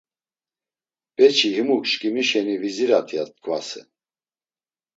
Beçi himuk şǩimi şeni vizirat, ya t̆ǩvasen.